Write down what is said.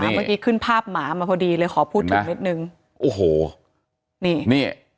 เมื่อกี้ขึ้นภาพหมามาพอดีเลยขอพูดถึงนิดนึงโอ้โหนี่นี่